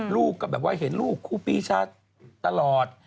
ลูกก็แบบว่าเห็นลูกครูปีชาตลอด